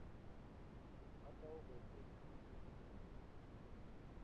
Atou boisie ne lel wikit ne nyone